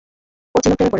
ও চিনোর প্রেমে পড়েছে।